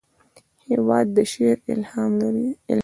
هېواد د شعر الهام دی.